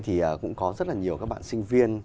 thì cũng có rất là nhiều các bạn sinh viên